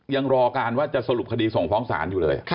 ยังรอการว่าจะสรุปคดีส่งฟ้องศาลอยู่เลย